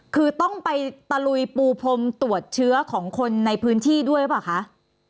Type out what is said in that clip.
คือต้องไปตะลุยปูพรมตรวจเชื้อของคนในพื้นที่ด้วยหรือเปล่าคะ